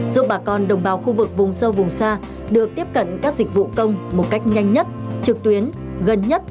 giúp bà con đồng bào khu vực vùng sâu vùng xa được tiếp cận các dịch vụ công một cách nhanh nhất trực tuyến gần nhất